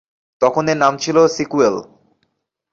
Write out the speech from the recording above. তখন এর নাম ছিল সিকুয়েল।